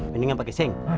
mendingan pake seng